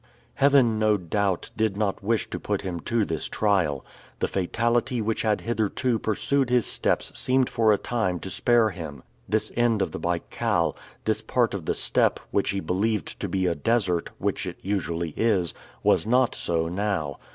Heaven, no doubt, did not wish to put him to this trial. The fatality which had hitherto pursued his steps seemed for a time to spare him. This end of the Baikal, this part of the steppe, which he believed to be a desert, which it usually is, was not so now.